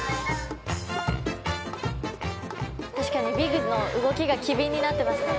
確かにビグの動きが機敏になってますね。